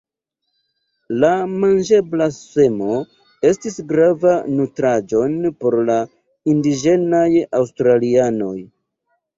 La manĝebla semo estis grava nutraĵon por la indiĝenaj aŭstralianoj.